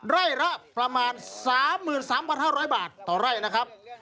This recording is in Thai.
ไร่ละประมาณ๓๓๕๐๐บาทต่อไร่นะครับ